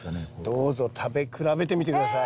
どうぞ食べ比べてみて下さい。